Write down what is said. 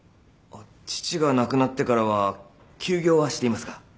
あっ父が亡くなってからは休業はしていますが。